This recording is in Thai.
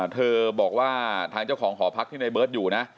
เธอบอกว่าทางเจ้าของหอพักที่ในเบิร์ตอยู่นะ